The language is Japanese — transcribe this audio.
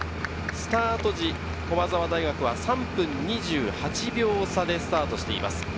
スタート時、駒澤大学は３分２８秒差でスタートしています。